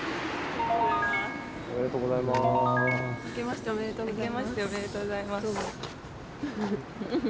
おめでとうございます。